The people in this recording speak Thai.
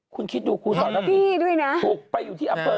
คุณคิดดูครูสอนฮอกกี้ถูกไปอยู่ที่อัพเบอร์